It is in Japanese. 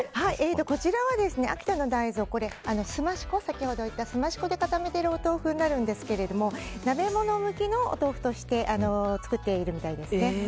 こちらは秋田の大豆をすまし粉で固めているお豆腐になるんですが鍋物向きのお豆腐として作っているみたいですね。